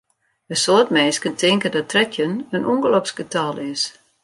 In soad minsken tinke dat trettjin in ûngeloksgetal is.